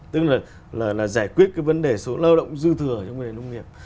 tức là là giải quyết cái vấn đề số lao động dư thừa trong vấn đề nông nghiệp